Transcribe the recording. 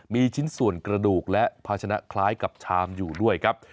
มีชิ้นส่วนกระดูกและภาชนะคล้ายกับชามอยู่ด้วยครับ